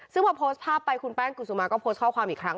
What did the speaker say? ซึ่งพอโพสต์ภาพไปคุณแป้งกุศุมาก็โพสต์ข้อความอีกครั้ง